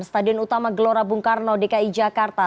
stadion utama gelora bung karno dki jakarta